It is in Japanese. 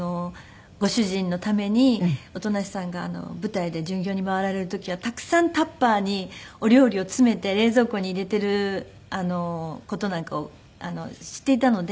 ご主人のために音無さんが舞台で巡業に回られる時はたくさんタッパーにお料理を詰めて冷蔵庫に入れている事なんかをしていたので。